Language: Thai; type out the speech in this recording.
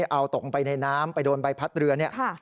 เอาตกไปในน้ำไปโดนใบพัดเรือเนี่ย